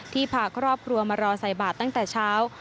พาครอบครัวมารอใส่บาทตั้งแต่เช้า